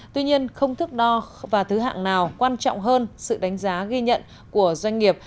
tuy nhiên không thước đo và thứ hạng nào quan trọng hơn sự đánh giá ghi nhận của doanh nghiệp